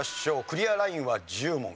クリアラインは１０問。